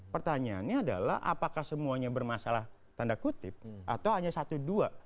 pertanyaannya adalah apakah semuanya bermasalah tanda kutip atau hanya satu dua